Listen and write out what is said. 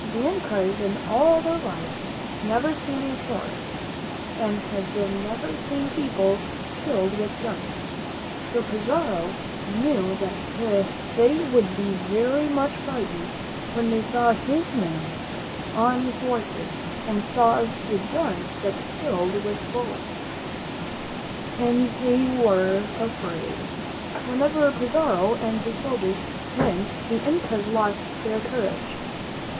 The Incas in all their lives had never seen a horse, and had never seen people killed with guns; so Pizarro knew that they would be very much frightened when they saw his men on horses, and saw the guns that killed with bullets. And they were afraid. Wherever Pizarro and his soldiers went, the Incas lost their courage.